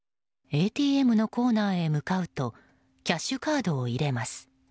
ＡＴＭのコーナーへ向かうとキャッシュカードを入れます。